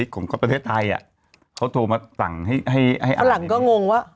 ของประเทศไทยอ่ะเขาโทรมาสั่งให้ให้เอาหลังก็งงว่า